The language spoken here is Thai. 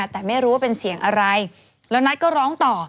แต่ไม่รู้ว่าเป็นเสียงอะไรแล้วนัทก็ร้องต่อ